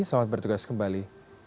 selamat bertugas kembali